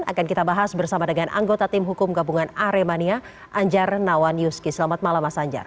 akan kita bahas bersama dengan anggota tim hukum gabungan aremania anjar nawanyuski selamat malam mas anjar